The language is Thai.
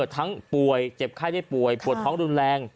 ป่วยเจ็บไข้ได้ป่วยปวดท้องรุนแรง